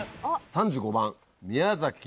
３５番宮崎。